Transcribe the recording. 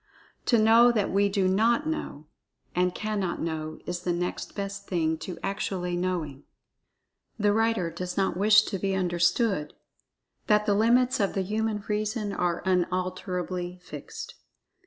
To know that we do not know, and cannot know, is the next best thing to actually knowing. The writer does not wish to be understood, that the limits of the human reason are unalterably fixed.